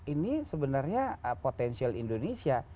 ini sebenarnya potensial indonesia